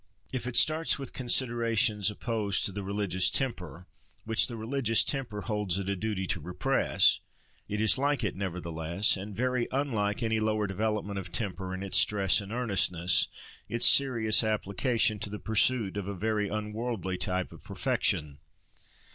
If it starts with considerations opposed to the religious temper, which the religious temper holds it a duty to repress, it is like it, nevertheless, and very unlike any lower development of temper, in its stress and earnestness, its serious application to the pursuit of a very unworldly type of perfection.